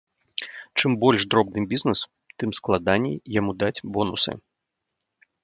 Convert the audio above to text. Чым больш дробны бізнэс, тым складаней яму даць бонусы.